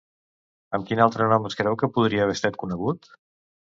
Amb quin altre nom es creu que podria haver estat conegut?